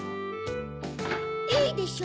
いいでしょ？